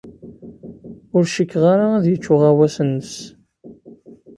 Ur cikkeɣ ara ad yečč uɣawas-nnes.